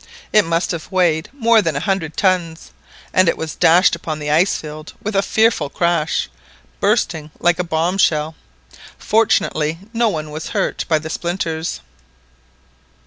It must have weighed more than a hundred tons, and it was dashed upon the ice field with a fearful crash, bursting like a bomb shell. Fortunately no one was hurt by the splinters.